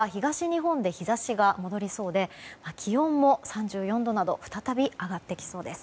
その先、日曜日以降は東日本で日差しが戻りそうで気温も３４度など再び上がってきそうです。